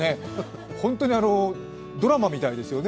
本当にドラマみたいですよね。